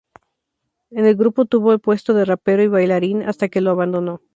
En el grupo tuvo el puesto de rapero y bailarín, hasta que lo abandonó.